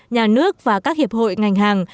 nhà nước và các hiệp hội ngành hàng